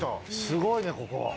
すごいねここ！